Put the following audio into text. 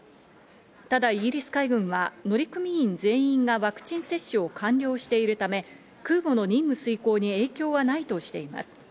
ただイギリス海軍は乗組員全員がワクチン接種を完了しているため、空母の任務遂行に影響はないとしています。